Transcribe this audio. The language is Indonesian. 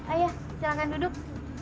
ayah silahkan duduk